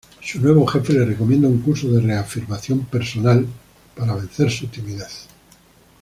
Su nuevo jefe le recomienda un curso de reafirmación personal para vencer su timidez.